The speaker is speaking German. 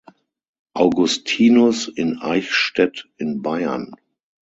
Augustinus in Eichstätt in Bayern.